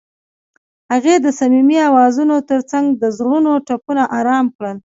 هغې د صمیمي اوازونو ترڅنګ د زړونو ټپونه آرام کړل.